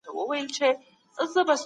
هر هیواد خپل ځانګړي اقتصادي اهداف ټاکي.